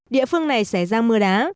địa phương này xảy ra mưa đá